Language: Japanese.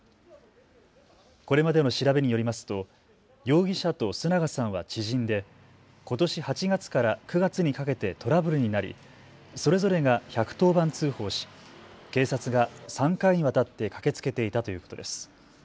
これまでの調べによりますと容疑者と須永さんは知人でことし８月から９月にかけてトラブルになり、それぞれが１１０番通報し警察が３回にわたって駆けつけていたということです。